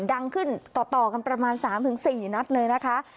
ดังขึ้นต่อกันประมาณ๓๔นัดเลยนะคะ